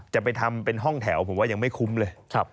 จะไปทำเป็นห้องแถวผมว่ายังไม่คุ้มเลย